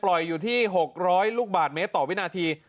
อยู่ที่๖๐๐ลูกบาทเมตรต่อวินาที